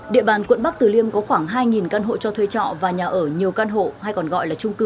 địa bàn quận bắc từ liêm có khoảng hai căn hộ cho thuê trọ và nhà ở nhiều căn hộ